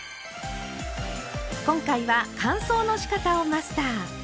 今回は乾燥のしかたをマスター。